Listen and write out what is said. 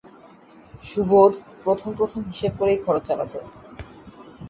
সুবোধ প্রথম-প্রথম হিসেব করেই খরচ চালাত।